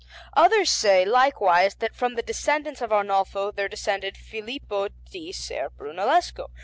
Others say, likewise, that from the descendants of Arnolfo there descended Filippo di Ser Brunellesco.